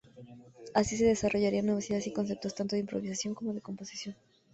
Así, se desarrollarían nuevas ideas y conceptos, tanto de improvisación como de composición.